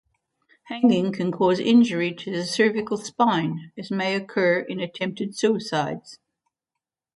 Hanging can cause injury to the cervical spine, as may occur in attempted suicide.